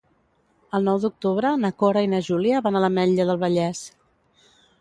El nou d'octubre na Cora i na Júlia van a l'Ametlla del Vallès.